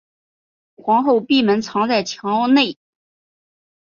皇后闭门藏在墙内。